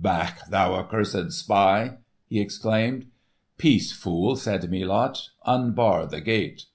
"Back, thou cursed spy!" he exclaimed. "Peace, fool!" said Melot. "Unbar the gate!"